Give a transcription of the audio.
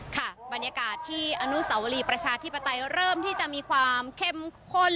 ค่ะบรรยากาศที่อนุสาวรีประชาธิปไตยเริ่มที่จะมีความเข้มข้น